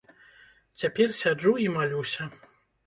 Цяпер сяджу і малюся.